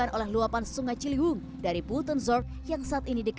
dan juga dengan semangat untuk terus menjadi yang terbaik